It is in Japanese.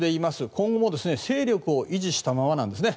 今後も勢力を維持したままなんですね。